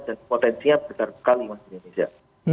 dan potensinya besar sekali mas indonesia